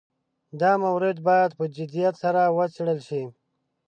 دا مورد باید په جدیت سره وڅېړل شي.